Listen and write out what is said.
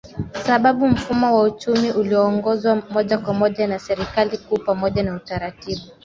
sababu mfumo wa uchumi ulioongozwa moja kwa moja na serikali kuu pamoja na utaratibu